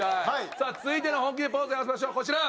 さあ続いての本気でポーズを合わせましょうこちら。